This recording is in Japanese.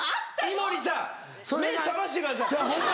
井森さん目覚ましてください！